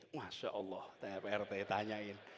masya allah saya rt tanyain